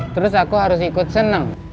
terus aku harus ikut senang